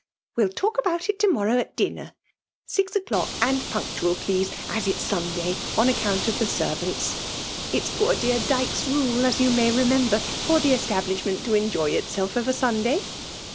*^ Well talk about it to morrow at dinner. Six o*clock and punctual, please, as it*s Sunday, on account of the ftervltnts. It's poor dear VOL. I. o 290 VBMALB SOMINATIOir. Dyke's rule, aa yon may lemember, &r the establishmeiit to enjoy itself of a Sunday."